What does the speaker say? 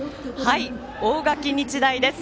大垣日大です。